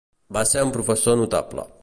Va ser un professor notable.